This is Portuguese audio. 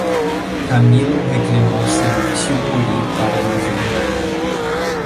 Camilo reclinou-se no tílburi, para não ver nada.